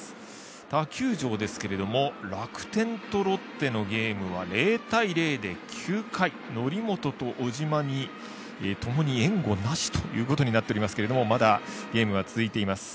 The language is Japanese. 他球場ですけども楽天とロッテのゲームは０対０で９回則本と小島にともに援護なしということになっておりますけどまだゲームは続いています。